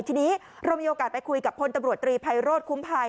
ทีนี้เรามีโอกาสไปคุยกับพลตำรวจตรีภัยโรธคุ้มภัย